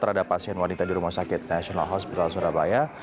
terhadap pasien wanita di rumah sakit national hospital surabaya